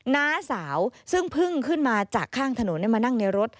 น้าสาวซึ่งเพิ่งขึ้นมาจากข้างถนนมานั่งในรถ